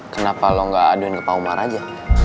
kenapa lo gak aduin ke pak umar aja